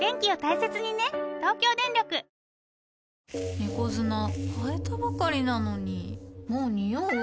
猫砂替えたばかりなのにもうニオう？